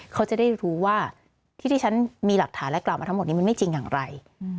เขาจะได้รู้ว่าที่ที่ฉันมีหลักฐานและกล่าวมาทั้งหมดนี้มันไม่จริงอย่างไร